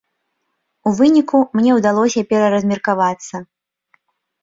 У выніку мне ўдалося пераразмеркавацца.